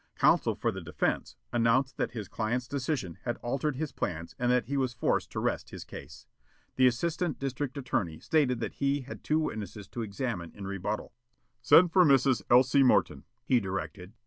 Counsel for the defense announced that his client's decision had altered his plans and that he was forced to rest his case. The Assistant District Attorney stated that he had two witnesses to examine in rebuttal. "Send for Mrs. Elsie Morton," he directed.